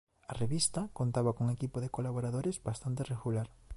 A revista contaba cun equipo de colaboradores bastante regular.